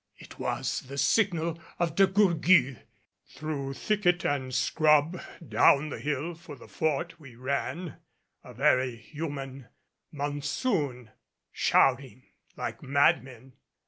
It was the signal of De Gourgues. Through thicket and scrub, down the hill for the Fort, we ran, a very human mounthsoun, shouting like madmen.